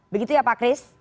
begitu ya pak chris